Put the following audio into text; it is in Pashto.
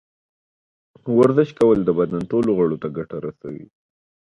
ورزش کول د بدن ټولو غړو ته ګټه رسوي.